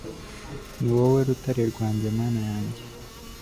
ni wowe rutare rwanjye mana yanjye